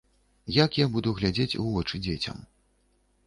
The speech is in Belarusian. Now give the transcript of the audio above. Як я буду глядзець у вочы дзецям?